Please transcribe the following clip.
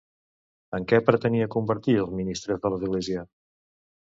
En què pretenia convertir els ministres de l'Església?